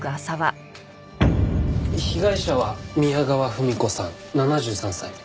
被害者は宮川文子さん７３歳。